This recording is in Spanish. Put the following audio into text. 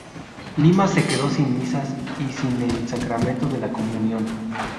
Lima se quedó sin misas y sin el sacramento de la comunión.